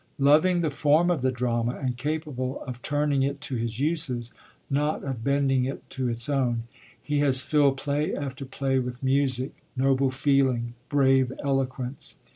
Loving the form of the drama, and capable of turning it to his uses, not of bending it to its own, he has filled play after play with music, noble feeling, brave eloquence.